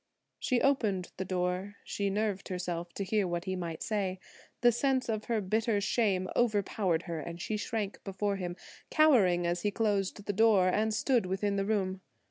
She opened the door. She nerved herself to hear what he might say. The sense of her bitter shame overpowered her, and she shrank before him, cowering as he closed the door, and stood within the room.